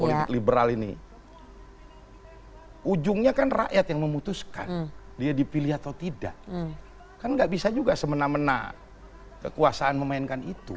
politik liberal ini ujungnya kan rakyat yang memutuskan dia dipilih atau tidak kan nggak bisa juga semena mena kekuasaan memainkan itu